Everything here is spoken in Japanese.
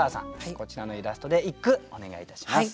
こちらのイラストで一句お願いいたします。